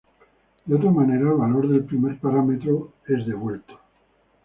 De otra manera, el valor del primer parámetro es devuelto.